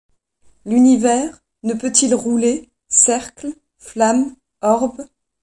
L’univers, ne peut-il rouler, cercle, flamme, orbe